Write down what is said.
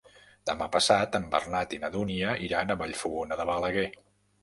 Demà passat en Bernat i na Dúnia iran a Vallfogona de Balaguer.